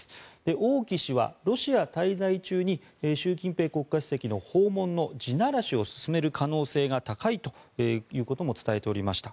王毅氏はロシア滞在中に習近平国家主席の訪問の地ならしを進める可能性が高いということも伝えておりました。